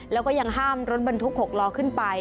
แล้วก็ยังห้ามรถบรรทุก๖ล้อขึ้นไป